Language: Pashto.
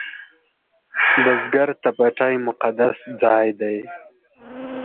بزګر ته پټی مقدس ځای دی